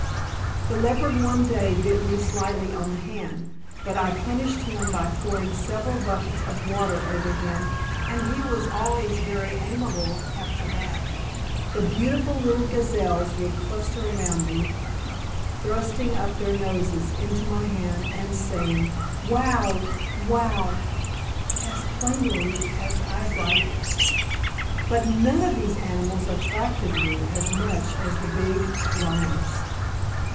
The leopard, one day, bit me slightly on the hand; but I punished him by pouring several buckets of water over him, and he was always very amiable after that. The beautiful little gazelles would cluster around me, thrusting up their noses into my hand, and saying "Wow! wow!" as plainly as I write it. But none of these animals attracted me as much as the big lioness.